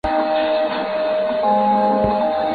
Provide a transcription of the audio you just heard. utungaji wa sheria hizo ulitimia baada ya kusainiwa